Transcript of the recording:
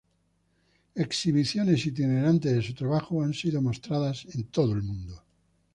Exhibiciones itinerantes de su trabajo han sido mostradas en todo el mundo.